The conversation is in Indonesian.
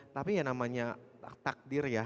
tapi ya namanya takdir ya